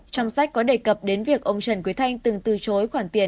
trong sách có đề cập đến việc ông trần quý thanh từng từ chối khoản tiền hai năm